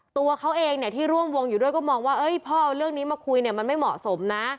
ตัวเขาเองที่ร่วมวงอยู่ด้วยก็มองว่าพ่อเอาเรื่องนี้มาคุยเนี่ยมันไม่เหมาะสมนะ